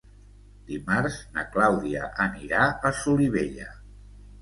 Dimarts na Clàudia anirà a Solivella.